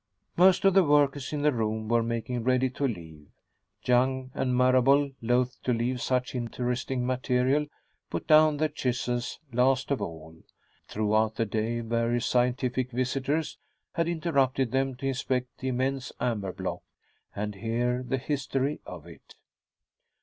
Most of the workers in the room were making ready to leave. Young and Marable, loath to leave such interesting material, put down their chisels last of all. Throughout the day various scientific visitors had interrupted them to inspect the immense amber block, and hear the history of it.